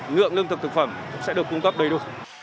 ngượng nương thực thực phẩm sẽ được cung cấp đầy đủ